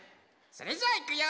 それじゃあいくよ！